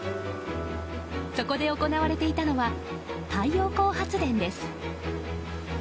そこで行われていたのは太陽光発電です。